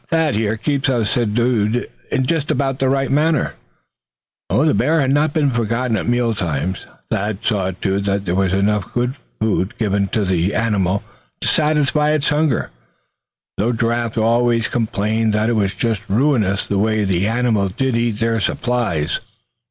Thad, here, keeps us subdued just about right." The bear had not been forgotten at meal times. Thad saw to it that there was enough food given to the animal to satisfy its hunger; though Giraffe always complained that it was just ruinous the way that animal did eat into their supplies.